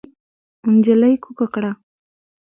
نجلۍ کوکه کړه.